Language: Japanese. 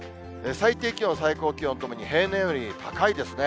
最低気温、最高気温ともに平年より高いですね。